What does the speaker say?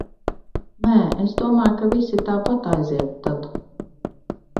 Nē, es domāju, ka visi tāpat aiziet tad.